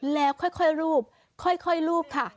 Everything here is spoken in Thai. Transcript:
แล้วค่อยรูปค่อยรูปค่ะ